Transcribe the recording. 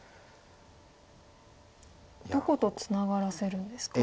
どことツナがらせるんですか？